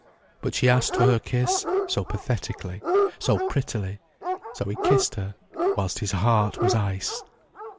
But she asked for her kiss, so pathetically, so prettily. So he kissed her, whilst his heart was ice.